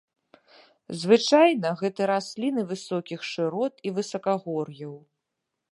Звычайна гэта расліны высокіх шырот і высакагор'яў.